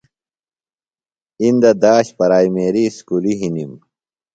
اِندہ داش پرائمیریۡ اُسکُلیۡ ہِنِم ۔